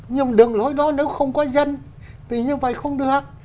nhưng đường lối đó nếu không có dân thì như vậy không được